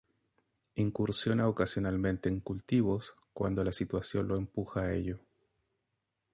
Incursiona ocasionalmente en cultivos cuando la situación lo empuja a ello.